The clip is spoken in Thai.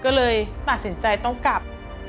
ก็เลยตัดสินใจต้องกลับ